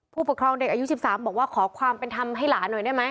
ผู้ปกครองเด็กอายุ๑๓บอกว่าขอความเป็นธรรมให้หลานหน่อยได้ไหม